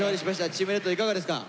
チームレッドいかがですか？